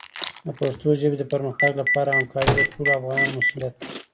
د پښتو ژبې د پرمختګ لپاره همکاري د ټولو افغانانو مسؤلیت دی.